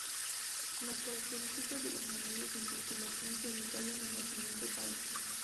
Las características de las monedas en circulación se detallan en la siguiente tabla.